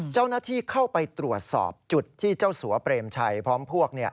เจ้าหน้าที่เข้าไปตรวจสอบจุดที่เจ้าสัวเปรมชัยพร้อมพวก